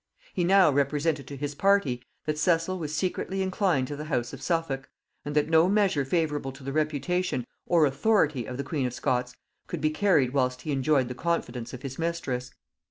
He now represented to his party, that Cecil was secretly inclined to the house of Suffolk; and that no measure favorable to the reputation or authority of the queen of Scots could be carried whilst he enjoyed the confidence of his mistress.